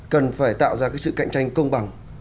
cần phải tạo ra sự cạnh tranh công bằng